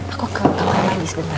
aku ke kamar mandi sebentar